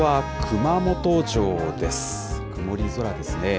曇り空ですね。